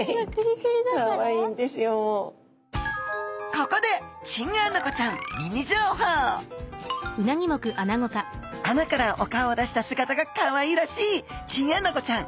ここでチンアナゴちゃんミニ情報穴からお顔を出した姿がかわいらしいチンアナゴちゃん。